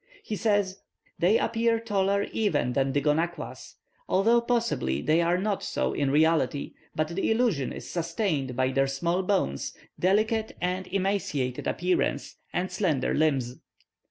He says, "They appear taller even than the Gonaquas, although possibly they are not so in reality; but the illusion is sustained by their small bones, delicate and emaciated appearance, and slender limbs.